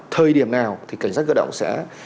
thời điểm nào thì cảnh sát cơ động sẽ